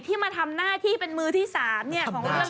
ที่มาทำหน้าที่เป็นมือที่๓